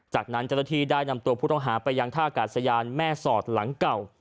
จากนั้นเจ้าหน้าที่ได้นำตัวผู้ต้องหาไปยังท่ากาศยานแม่สอดหลังเก่า